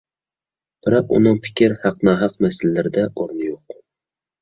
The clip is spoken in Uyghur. بىراق ئۆنىڭ «پىكىر» «ھەق-ناھەق» مەسىلىلىرىدە ئورنى يوق.